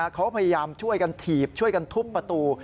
เขาพยายามช่วยกันถีบช่วยกันทุบประตู